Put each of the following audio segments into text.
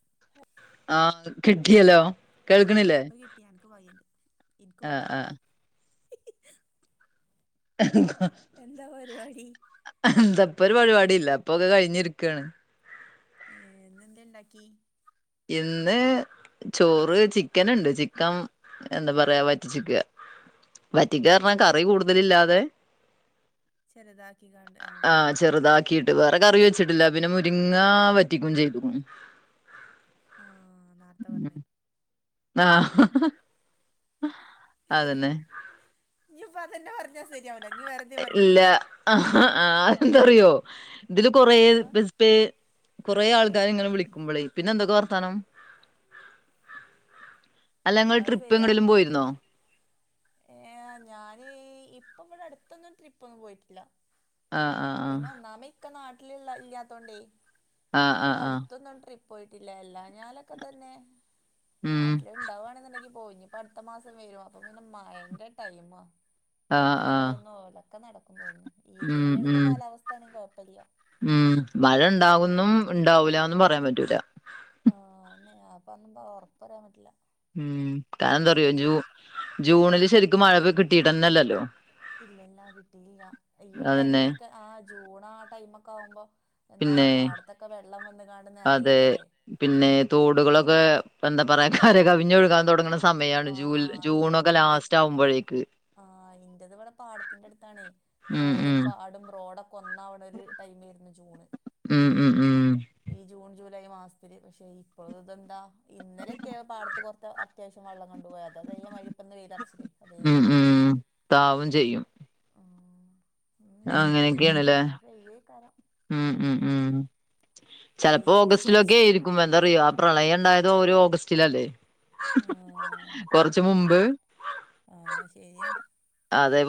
[inaudible] ആഹ്, കിട്ടിയല്ലോ ആഹ് കേൾക്ക്ണില്ലേ? ഇപ്പൊ കിട്ടി അനക്ക് വകയുണ്ട് ഇനിക്ക് ആഹ്, വകയുണ്ട് ആഹ് [unintelligible] എന്താ പരിവാടി അന്ത ഇപ്പൊരു പരിവാടില്ല, ഇപ്പൊക്കെ കഴിഞ്ഞിരിക്കാണ്. ഏഹ്, ഇന്നെന്തെണ്ടാക്കി ഇന്ന് ചോറ്, ചിക്കനിണ്ട് ചിക്കം എന്താ പറയാ വറ്റിച്ച്ക്കാ വറ്റിക്കാഞ്ഞ് ഉം പറഞ്ഞാ കറി കൂടുതലില്ലാതെ ചെറതാക്കികാണ്ട്, ആഹ് ചെറുതാക്കിട്ട്. പി വേറെ കറി വെച്ചിട്ടില്ല, പിന്നെ മുരിങ്ങ വറ്റിക്കും ചെയ്യും. ആഹ്, നെര്ത്ത പറഞ്ഞെ ആഹ്, അതന്നെ. ഇനിപ്പം അതന്നെ പറഞ്ഞാ ശെരിയാവില്ല ഇല്ല ആഹ് ആ എന്താറിയോ ഇതില് കൊറേ ആഹ് ബിസ് [unintelligible] കൊറെ ആൾക്കാരിങ്ങനെ വിളിക്കുമ്പളെ. പിന്നെ എന്തൊക്കെ വർത്താനം [inaudible] അല്ല ഇങ്ങള് അത് ട്രിപ്പ് ശരിയാ എങ്ങട്ടെങ്കിലും പോയിരുന്നോ ഏഹ്, ഞാന് ഇപ്പം ഇവടെ അട്ത്തൊന്നും ട്രിപ്പൊന്നും പോയിട്ടില്ല. ആഹ് ആഹ് പിന്നെ ഒന്നാമെ ഇക്ക നാട്ടിലുള്ള ഇല്ലാത്തോണ്ടേ ആഹ് ആഹ് ആഹ് ആഹ് ഇവടട്ത്തൊന്നും ട്രിപ്പ് പോയിട്ടില്ല. എല്ലാനാലൊക്കെ തന്നെ ഉം നാട്ട്ല്ണ്ടാവാണ്ന്ന്ണ്ടെങ്കി പോയിനി. ഇനിപ്പം അടുത്ത മാസം വരും അപ്പൊ പിന്നെ മഴന്റെ ടൈമാ, ആഹ് പൊറത്ത് ആഹ് പോവലൊന്നും ആവുല ഒക്കെ നടക്കും തോന്ന്ണ്. ഇതേ മായിരൊക്കെ കാലാവസ്ഥ ആണെങ്കിൽ കൊഴപ്പല്ല ഹ്മ്മ്, മഴ ഇണ്ടാവുന്നും ഇണ്ടാവുലാന്നും പറയാൻ പറ്റൂല ആഹ് അതന്നെ അപ്പം അതൊന്നും ഒറപ്പറയാൻ പറ്റില്ല. ഹ്മ്മ് [unintelligible] വന്ന് ശരിക്കും ജൂണില് മഴ ശെരിക്കും മഴ കിട്ടി കിട്ടിയിട്ടന്നല്ലല്ലോ തന്നെ ഇല്ലല്ലോ, ഇല്ലല്ലാ കിട്ടിയില്ല. ഈ അതന്നെ ടൈമിലൊക്കെ ആഹ് ജൂണ ആ ടൈമക്കാവുമ്പോ എന്താ പിന്നെ പാടത്തൊക്കെ വെള്ളം വന്ന്കാണ്ട് അതെ നെറയലല്ലേ പിന്നെ തോടുകളൊക്കെ എന്താ പറയാ കര കവിഞ്ഞൊഴുകാൻ തുടങ്ങ് സമയാണ്. ആ ജൂൽ ജൂണൊക്കെ ലാസ്റ്റാവുമ്പോഴേക്ക്. ആഹ് ഇന്റത്പടെ പാടത്തിന്റെ അടുത്താണേ, ഉം തോടും ഉം പാടും റോഡൊ കൊന്നാവ്ണൊരു ടൈംമെരുന്നു ജൂണ്. ഹ്മ്മ് ഹ്മ്മ് മ് ഈ ജൂൺ ജൂലൈ മാസത്തില്. പക്ഷെ ഇപ്പോ ഇതെന്താ ഇന്നലെറ്റെ പാടത്ത് കൊർത്ത അത്യാവിശ്യം വള്ളം കണ്ട് പോയി അതതേമാതിരിപ്പം വെയിലറച്ചിലെ ഹ്മ്മ് ഹ്മ്മ് താവും ചെയ്യും. ആഹ്, ഹ്മ്മ് നോക്കിട്ട് കാര്യല്ല മഴ പെയ്യേക്കാരം. ഹ്മ്മ്, ഹ്മ്മ്, ഹ്മ്മ് ചെലപ്പോ പെയ്യും ഓഗസ്റ്റിലൊക്കെ ഏ വിചാരിച്ച്ണ് [unintelligible] പ്രളയം ഉണ്ടായത് ഒരു ഓഗസ്റ്റിലല്ലേ ആഹ് [inaudible] എൻ മുമ്പ് ആഹ് ശെരിയാ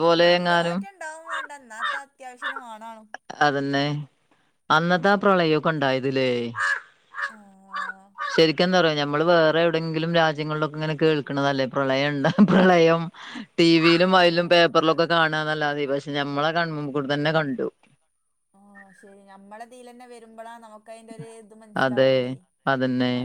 ക്ഷെ എങ്ങാനും നല്ലോറ്റണ്ടാവും വാണ്ട ഇന്നാത്തെ അത്യാവിശ്യത്തിന് വാണാണും. അതെന്നെ അന്നത്തെ ആ പ്രളയൊക്കെണ്ടായത് ലേ ആഹ്. ശെരിക്കും എന്താ അറിയോ നമ്മള് വേറെവിടെങ്കിലും രാജ്യങ്ങളിലൊക്കെ കേൾ ന്നതല്ലേ പ്രളയംണ്ടാവും പ്രളയം ടിവി ലും അയിലും പേപ്പറ്ലൊക്കെ കാണാന്നല്ലാതെ, പക്ഷെ ഞമ്മളെ കൺമുമ്പുകൂടെ തന്നെ കണ്ടു. ആഹ്, ശെരി നമ്മളെതീലന്നെ വെരുമ്പളാ നമുക്ക് അതിന്റെ ഒരു ഇത് അതെ മനസ്സിലാവുള്ളേ അതന്നെ മ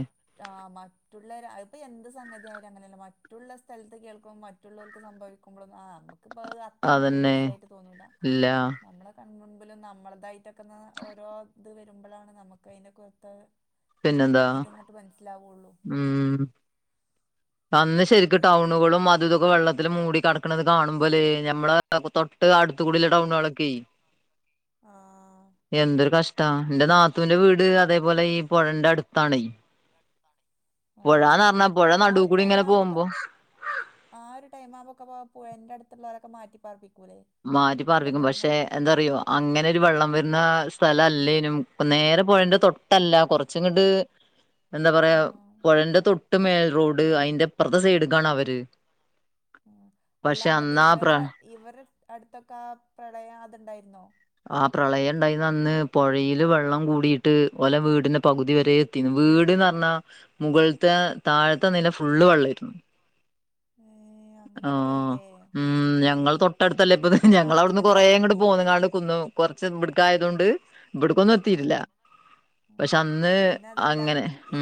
ആ മറ്റുള്ള അത്പ്പോ എന്ത് സംഗതിയായാലും അങ്ങനെയല്ല മറ്റുള്ള സ്ഥലത്ത് കേൾക്കുമ്പോൾ മറ്റുള്ളവർക്ക് സംഭവിക്കുമ്പോ ആ നമുക്ക്പ്പ അത്രങ്ങട്ട് വലിയ അതന്നെ വിഷയമായിട്ട് തോന്നൂല ഇല്ല നമ്മള കൺമുമ്പിലും നമ്മളതായിട്ടൊക്കെ ഓരോ ഇത് വരുമ്പോഴാണ് നമുക്ക് അതിന്റെ കുറത്ത് പിന്നെന്താ ഇതങ്ങോട്ട് മനസ്സിലാവയുള്ളൂ ഉം അന്ന് ശരിരിക്കും ടൗണുകളും അത ഇതൊക്കെ വെള്ളത്തിൽ മൂടി കടക്കണുന്നത് കാണുമ്പോലേ ഞമ്മളെ അടുത്തു കുടിയല്ലേ ടൗണാക്കെ ആഹ് എന്തൊരു കഷ്ട എന്റെ ന ത്തുന്റെ വീട് അതേപോലെ ഈ പുഴന്റെ അടുത്താണ് പുഴന്ന് പറഞ്ഞാ പുഴ നടു ടൈമാ ആ ഒരു ടൈമാവുമ്പൊക്കെ പുഴൻ്റെ അടുത്തുള്ളവരൊക്കെ മാറ്റിപ്പാർപ്പിക്കൂല്ലേ മാറ്റി പാർപ്പിക്കും പക്ഷെ എന്താ പറയോ അങ്ങനെ ഒരു വെള്ളം വരുന്ന സ്ഥലം അല്ലേനും ഇപ്പ നേരെ പോയതിൻ്റെ തൊട്ടല്ല കുറച്ചും കട്ട് കുറച്ചണ്ട്ട് എന്താ പറയാ പുഴന്റെ തൊട്ട് മേൽ റോഡ് അതിറെപ്പുറത്തെ സൈഡ കാണ അവര് ഉ അല്ല പക്ഷെ എന്നിട്ട് അന്നാ പ്ര ഇവരെ ഇവര് അടുത്തൊക്കെ ആ പ്രളയം അതുണ്ടായിരുന്നോ ആ പ്രളയം ഉണ്ടായി അന്ന് പുഴയില് വെള്ളം കൂടിട്ട് ഓലെ വീടിന്റെ പകുതി വരെ ത്തീന്നു വീട്ന്ന് പറഞ്ഞാ മുകളിലത്തെ താഴത്തെ നിലെ ഫുള്ള് വെള്ളമായിരുന്നു ഏഹ ആ ഉ ഞങ്ങൾ തൊട്ടടുത്തല്ലേ ഇപ്പ ആഹ് ഞങ്ങളവിടുന്ന് അതന്നെപ്പോ കൊറേങ്ങട് പോന്നു കാണ്ട് ന്നു കൊറച്ച് വിടുക്കായത കൊണ്ട് ഇവിടക്കൊന്നും എത്തിട്ടില്ല ആഹ് പക്ഷെ ആഹ് അന്ന് അങ്ങനെ ഉ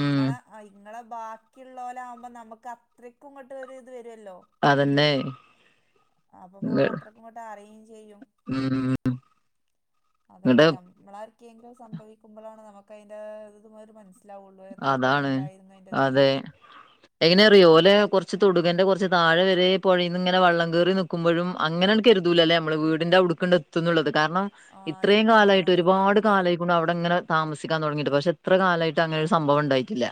ആ ഇങ്ങളെ ബാക്കിയുള്ളലെ ആകുമ്പോ നമുക്ക് അത്രയ്ക്കും ഇങ്ങോട്ടും ഒരു ഇത് വരുമല്ലോ അതന്നെ അപ്പൊ നമക്ക് അത്രക്കും ഇങ്ങോട്ട് അറിയയും ചെയ്യും ഉം അതന്നെ ഇങ്ങട്ട് നഞമ്മള ആർക്കെങ്കിലും സംഭവിക്കുമ്പോഴാണ് നമുക്ക് അതിന്റെ ഇത ഒരു മനസ് ലാവുള്ളൂ എത്രത്തളം അതാണ് ഉണ്ടായിരുന്നു അതിൻ്റെന്ന് എങ്ങനെ അറിയോലെ കുറച്ച് എങ്ങനെ തുടുകന്റെ അറിയോ കുറച്ച് താഴെ വരെ പുഴയിന്ന് ഓലെ ഇങ്ങനെ വള്ളം കേറി നിൽക്കുമ്പോഴും അങ്ങനെ എന കരുതൂലല്ലേ നമ്മള് കൊറച്ച് വീടിൻന്റെറെ ഉടുക്കണ്ട് എത്തുംന്നുള്ളത് കാരണം തൊടുകന്റെ കൊറച്ച് ഇത്രയും കാലായിട്ട് താഴെ ഒരുപാട് കാലായിക്കൊണ്ട് അവിടെ ഇങ്ങനെ താമസിക്കാൻ തുടങ്ങിയിട്ട് പക്ഷെ എത്ര കാലമായിട്ട് അങ്ങനെ ഒരു സംഭവം ഉണ്ടായിട്ടില്ല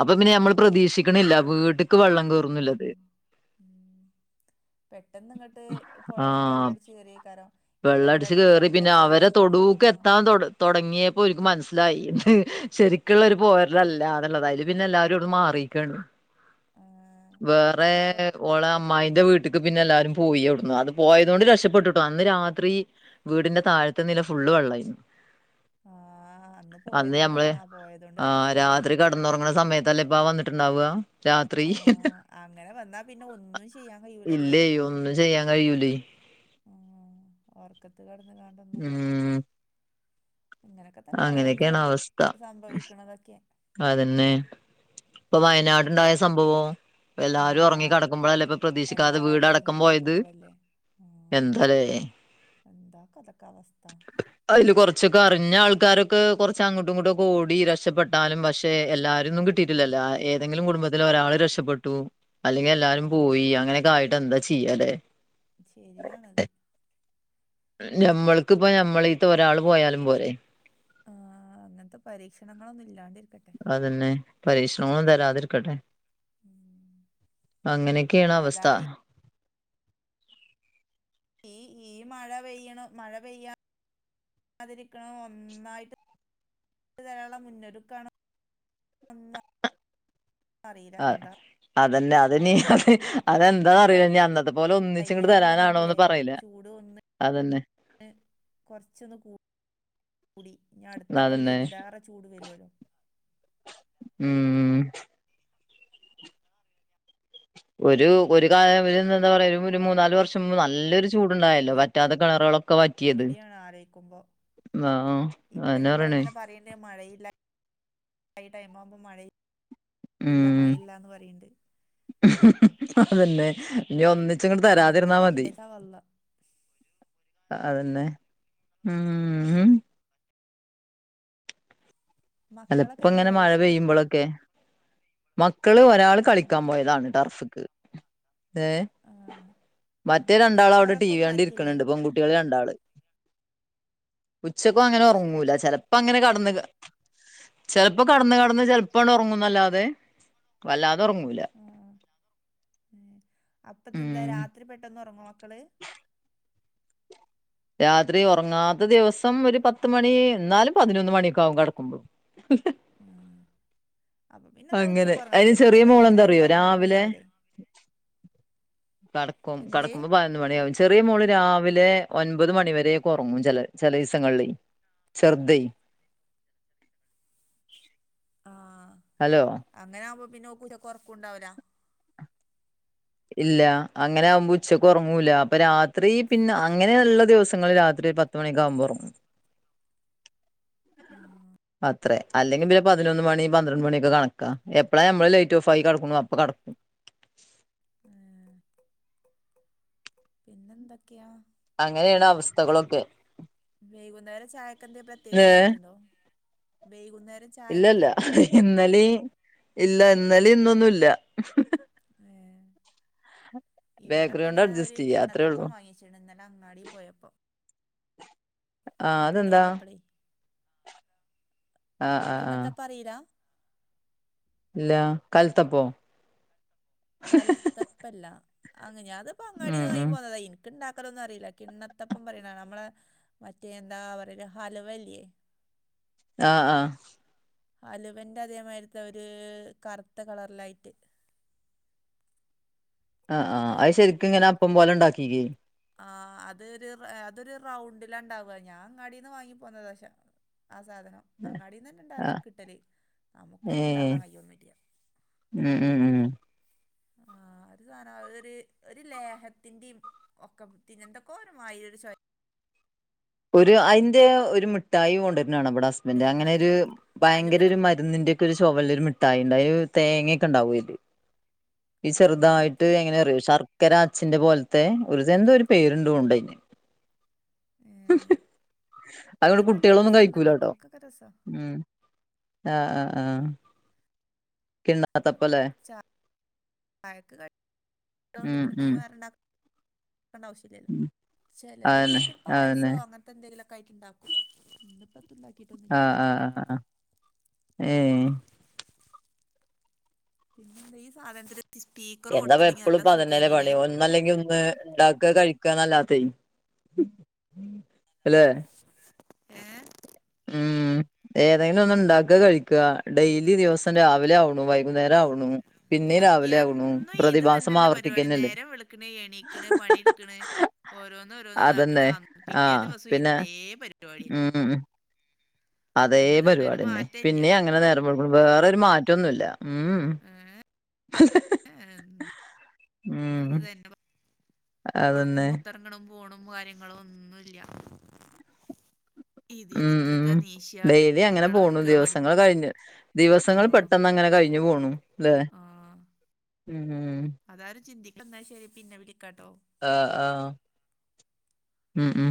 അപ്പൊ പിന്നെ ഞമ്മൾ പ്രതീക്ഷിക്കണില്ല വീട്ടക്ക് വെള്ളം കയറന്നില്ലത് [inaudible] പെട്ടെന്ന് ഇങ്ങോട്ട് പുഴയില് വെള്ളം ആഹ് അടിച്ചച്ച് കയറിയ കാരോ ഇപ്പൊ നമ്മടെ അടുത്ത് കണ്ടില്ല ഇപ്പൊര് അവരെ തൊടൂക്കെത്താൻ തൊട തൊടങ്ങിയപ്പോ ഒടൂക്ക് ഓൽക്ക് എത്താൻ തുടങ്ങിയപ്പോ ഓര്ക്ക് മനസ്സിലായി മനസ്സിലായി ശ ഒക്ക ഉള്ള പോരല്ല എന്നുള്ളത് അതില് പിന്നെ എല്ലാവരും അവിട് മാറിയിക്കയാണ് ആ വേറെ ഓളെ അമ്മായിന്റെ വീട്ടേക്ക് പിന്നെ എല്ലാരും പോയി ഇടുന്നു അത് പോയത കൊണ്ട് രക്ഷപ്പെട്ടിട്ടു അന്ന് രാത്രി വീടിന്റെ താഴത്തെ നില ഫുള്ള് വെള്ളമായിരുന്നു ആഹ് അന്ന് പോയതോണ്ട് ഞമ്മള് ആഹ് പോയതോണ്ട് ആ കഴിച്ചിലായി രാത്രി കട കന്നുറങ്ങണ സമയത്തല്ലേപ്പ വന്നിട്ടുണ്ടാവുക രാത്രി ആ അങ്ങനെ വന്നാ പിന്നെ ഒന്നും ചെയ്യാൻ കഴിയൂലല്ലോ ഉ ചെയ്യാൻ കഴിയൂല്ല ഓറക്കത്ത് കിടന്ന കണ്ടന്നു ഉം തന്നെ ഓരോന്ന് അങ്ങനെയൊക്കെയാണ് അവസ്ഥ സംഭവിക്കണതൊക്കെ അതന്നെ ഇപ്പൊ വയനാട് എന്താ ഉണ്ടായ സംഭവം എല്ലാരും ഉറങ്ങി ആഹ് കിടക്കുമ്പോഴല്ല ഇപ്പ പ്രതീക്ഷിക്കാതെ എല്ലാരും ഒറങ്ങി വീടടക്കം പോയത് പടക്കുമ്പളല്ലേ ആഹ് എന്താലേ എന്താ കഥകാവസ്ഥ അതില് കുറച്ചൊക്കെ അറിഞ്ഞ ആൾക്കാരൊക്കെറച്ച് അങ്ങോട്ടും ഇങ്ങോട്ടുംക്കെ ഓടി രക്ഷപ്പെെട്ടാലും പക്ഷെ പക്ഷെ എല്ലാരിം ഒന്നും അങ്ങോട്ടും കിട്ടീട്ടില്ലല്ലോ ഏതെങ്കിലും കുടുംബത്തില് ഒരാള് രെഷപ്പെട്ടു അല്ലെങ്കി എല്ലാർക്കും കിട്ടിയിട്ടില്ലല്ലോ ഏതെങ്കിലും കുടുംബത്തില് ഒരാള് രക്ഷപ്പെട്ടു ബാക്കി എല്ലാരും പോയി അങ്ങനെക്കെ ആയിട്ട് എന്താ ചെയ്യലേ ശെരിയാണത് ഞമ്മൾക്കിപ്പം ഞമ്മളീത്തെ ഒരാള് പോയാലും പോരെ ആഹ് അങ്ങൻത്തെ പരീക്ഷണങ്ങളൊന്നും ഇല്ലാണ്ട് രിക്കട്ടെ അതെന്നെ പരീക്ഷണങ്ങളാെന്നും തരാതിരിക്കട്ടെ ഉം അങ്ങനെക്കേണ് അവസ്ഥ ഏതായാലും ഈ ഈ മഴ പെയ്യ്ണ് മഴ പെയ്യ യ്യാതിരിക്കാൻ ഒന്നായ്ട്ട് [unintelligible] മുന്നൊരുക്കാണോ അറീല ന്താ അതെന്നെ അത് ഇനീ ഇപ്പൊ ക- അതെന്താന്നറീലാ ഇനി അന്നത്തെ പോലെ കഴിഞ്ഞ ഒന്നിച്ച്ങ്ങട്ട് കൊല്ലം തരാനാണോന്ന് കണ്ടില്ലേ പ്പറീലാ ചൂട് ഒന്ന് അതെന്നെ എ കൊർച്ചൊന്ന് കൂ കൂടി ഇഞ്ഞട്ത്ത അതന്നെ കൊല്ലം ഇതിലാറെ ചൂട് വരൂലാേ ഉം ഒരു ഒരു കാല [unintelligible] എന്താ പറയാ ആ ഒരു മൂന്നാല് വർഷം മുമ്പ് നല്ലൊരു ചൂട്ണ്ടായല്ലോ വറ്റാത്ത കെണറ്കളൊ പേട്യാണ് ആലോയ്ക്കുമ്പോ ആഹ് ഇപ്പൊ അതന്നെ ഞമ്മള് പറയണേ ഇങ്ങനെ പറീ മഴയില്ല ഈ ടൈമാവുമ്പോ മഴ ഇല്ല മഴയില്ലാന്ന് പറീണ്ട് അതെന്നെ ഇനി പട ഒന്നിച്ചങ്ങട്ട് ആ തരാതിര്ന്നാ എന്താണോ മതി വിചാരിച്ച വള്ള അതെന്നെ ഊം ഉം അല്ല മക്കളൊക്കെ ഇപ്പങ്ങനെ എന്തിയെ മഴ ചോയ്ച്ച പെയ്യുമ്പളൊക്കെ മക്കള് ഒരാള് ഉം കളിക്കാം പോയതാണ് ടർഫ്ക്ക് ഏഹ് ആ ആ മറ്റേ രണ്ടാളവ്ടെ ടീവി ഉച്ചവറക്കൊന്നും ആർക്കില്ലേ കണ്ടിരിക്ക്ണ്‌ണ്ട് പെങ്കുട്ട്യാള് രണ്ടാള് ഉച്ചക്കും അങ്ങനെ ചോയ്ച്ച ഒർങ്ങൂല ചെലപ്പങ്ങനെ കെടന്ന് ക ചെലപ്പ കട്ന്ന് കട്ന്ന് ചെലപ്പാണ്ട് ഒർങ്ങുന്നല്ലാതെ വല്ലാതെ ഒർങ്ങൂലാ ആഹ് ആഹ് അപ്പതെന്താ ഉം രാത്രി പെട്ടന്ന് ഒർങ്ങാേ മക്കള് രാത്രി ഒർങ്ങാത്ത ദിവസം ഒര് പത്ത് മണി എന്നാലും പതിനൊന്ന് മണിയൊക്കെ ആകും കെടക്കുമ്പം ഉ ആഹ് അപ്പൊ പിന്നെ ന്നാ അങ്ങനെ ഉച്ചക്ക് അതിന് ഒർങ്ങാക്കാതെക്കെന്നെ നല്ലെ ചെറിയ പ്പൊ മോള് എങ്ങനെയാലും എന്താറിയോ പതിനൊന്ന് രാവിലെ മണിയാവൂലെ കട്ക്കും കട്ക്കുംമ്പ പ തിനൊന്ന് മണ്യാവും ചെറിയ മോള് രാവിലെ ഒൻപത് മണി വരെക്കെ ഒർങ്ങും ചെല ചെലീസങ്ങളിലെ ചെർതേ ആഹ് ഹലോ അങ്ങനെകുമ്പോ പിന്നെ കെട്ട്യേക്കാെറക്കുംണ്ടാവൂലാ ഇല്ലാ അങ്ങനെ ആവുമ്പോ ഉച്ചക്കാെർങ്ങൂല്ല അപ്പൊ രാത്രി പിന്നെ അങ്ങനെള്ള ദിവസങ്ങൾ രാത്രി പത് ത്ത് മണിയാെക്കാവുമ്പാെറങ്ങും ആഹ് അത്രെ അല്ലെങ്കി പിന്നെ പതിനൊന്ന് മണി പന്ത്രണ്ട് മണ്യൊക്കെ കണക്കാ എപ്പളാ ഞമ്മള് ലൈറ്റാേഫാക്കി കെടക്ക്ണു അപ്പൊ കട്ക്കും ഏഹ് പിന്നെന്തൊക്ക്യാ അങ്ങനേണ് അവസ്ഥകളൊക്കെ വെയ്കുന്നേരം ചായെക്കെന്തേ പ്രത്യേകിച്ച് ഇണ്ടാക്കിണ്ടോ വെയ്കുന്നേ ഇല്ലല്ലാ ഇന്നലീം ഇല്ല ഇന്നലിം ഇന്നൊന്നുല്ലാ ഏഹ് ബേക്കറി ഇവിടെപ്പം കൊണ്ട് ഞാ ഒര് അഡ്ജസ്റ്റ് ചെയ്യാ അത്രേ കിണ്ണത്തപ്പം ഉള്ളൂ വാങ്ങ്യെ ച്ച്ണ് ഇന്നലെ അങ്ങാടി പോയപ്പം ആ അത് ഇന്ന് അതെന്താ വന്നപ്പളേ ആഹ് ആഹ് ആഹ് കിണത്തപ്പറീല ഇല്ല കൽത്തപ്പോ കൽത്തപ്പല്ല അങ്ങന ഞാൻ അത് പ്പൊ ഉം അങ്ങാടിന്ന് വാങ്ങി ഉം പോന്നദേനി ക്ക്ണ്ടാക്കലൊന്നും അറിയില്ല കിണ്ണത്തപ്പം പറയ്‌ണാണ നമ്മളെ മറ്റേ എന്താ പറയ ഹലുവല്ലേ ആഹ് ആഹ് ഹലുവന്റെ അതേമാതിരിത്തെ ഒരു കറുത്ത കളർലായിട്ട് ആഹ് ആഹ് അയിന് അയ് ശരിക്ക്ങ്ങനെ അപ്പം പോലെ ഇണ്ടാക്കിക്കെ ആ അതൊരു അതൊരു റൗണ്ടില ഇണ്ടാവ ഞാൻ അങ്ങാടിന്ന് വാങ്ങി പോന്നത ശ ആ സാധനം അങ്ങാടിന്ന് തന്നെ [unintelligible] ആഹ് കിട്ടല് നമുക്കൊന്നും ഏഹ് ഇണ്ടാക്കാൻ കയ്യൊന്നുല്ല ഉം ഉം ഉം ആ ഒരു സാനം അ ഒരു ഒരു ലേഹത്തിന്റിം ഒക്കം പിന്നെന്ദോക്കെരുമായിരീ ഒരു ചോ ഒരു അയിന്റെ ഒരു മിഠായി കൊണ്ടര്നാണ ഇവടെ ഹസ്ബൻഡ് ചോയക്കാരം അങ്ങനെരു ഭയങ്കര ഹലുവിന്റെ മ- ഒരു മരുന്നിന്റെ ഒരു ചോവള്ളൊരു മിഠായി ണ്ട് തേങ്ങൊക്കെണ്ടയ്ല് ഈ ആ ചെറുതായി അത്, ട്ട് എങ്ങനെറിയോ ശർക്കരാഛിന്റെ പോൽത്തെ എന്തോ ഒരു പേരുണ്ടോണ്ടയിന് ഏ, ഇത് അവ്ടെ നല്ല കുട്ടികളൊന്നും രസമുണ്ട് കഴിക്കൂലട്ടോ മക്കൾക്കൊക്കെ രസം ഉം ആഹ് ആഹ് ആഹ് അപ്പൊ കിണ്ണത്തപ്പലെ ചായക്ക് കടി ഇണ്ടായൊണ്ട് ഉം പിന്നെപ്പൊ ഉം വേറെണ്ടാക്കണ്ടവശ്യ ഉം ചെല അതന്നെ ദിവസൊക്കെ ഒരു പായസോ അതന്നെ അങ്ങൻത്തെന്തെങ്കിലൊക്കെ ആയിട്ട് ഇണ്ടാക്കും ഇന്നിപ്പോ എത്തും ഉണ്ട ആഹ് ആഹ് ആഹ് ആഹ് ഏഹ് പിന്നെന്താ ഈ സാധനത്തി എന്താപ്പ എപ്പളുപ്പൊതന്നല്ലെ പണി ഒന്നല്ലെങ്കി ഒന്ന് ഇണ്ട ക്ക കഴിക്കാന്നല്ലാതെ അല്ലെ ഏഹ് ഉം ഏതെങ്കിലും ഒന്ന് ഇണ്ടാക്കാ കഴിക്ക ഡെയിലി ദിവസം രാവിലെ ആവ്ണു വൈകുന്നേരം ആവ്ണു പിന്നിം രാവിലെ ആകുണു എന്നും ഇത് പ്രതിഭാസം തന്നെല്ല പരിപാടി ആവർത്തിക്കന്നല്ലേ നേരം വെളുക്കണ് എണീക്കണ് പണിയെടുക്കണ് ഓരോന്ന് ഓരോന്ന് ഇതാക്കണ് അതെന്നെ അന്ന് പിറ്റേ ആഹ് ദിവസം പിന്നെ ഇതേ പരിപാടിയന്നെ ഉം അതേ എന്നും ഇതന്നെ ഒരു പരിപാടിന്നെ മാറ്റല്ല പിന്നെ അങ്ങനെ നേരം വെളുക്കുന്നു വേറെരു മാറ്റൊന്നുല്ല ഉം [inaudible] എ ഉം അതന്നെ ഒടുക്കും പൊർത്തറങ്ങണം പോണം കാര്യങ്ങളോന്നുല്ല ഉം ഉം ഡെയിലി അങ്ങനെ പോണു ഒരുക്കുക ദിവസങ്ങൾ പഠിപ്പിക്ക കഴിഞ്ഞ് ദിവസ ആ ങ്ങൾ പെട്ടെന്ന് അങ്ങനെ കഴിഞ്ഞു പോണു ലെ ആ ഉം അതാരും ചിന്തിക്ക ന്നാ ശരി പിന്നെ വിളിക്കാട്ടോ ആഹ് ആഹ് ഉം ഉം